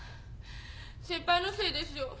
先輩のせいですよ。